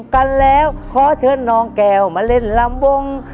กันแล้วขอเชิญน้องแก้วมาเล่นลำวง